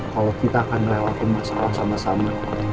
kalau kita akan lewatin masalah sama sama